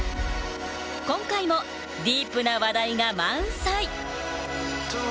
今回もディープな話題が満載！